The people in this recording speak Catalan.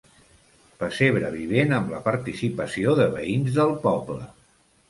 Pessebre vivent amb la participació de veïns del poble.